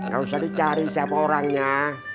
gak usah dicari siapa orangnya